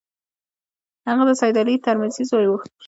هغه د سید علي ترمذي زوی وو.